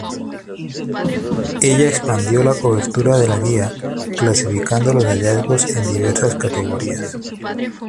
Ella expandió la cobertura de la guía, clasificando los hallazgos en diversas categorías.